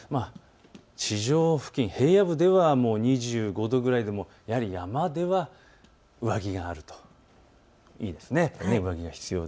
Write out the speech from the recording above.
地上付近、平野部ではもう２５度ぐらいでも山では上着があるといいですね。